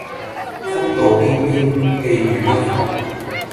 風度翩翩、氣宇不凡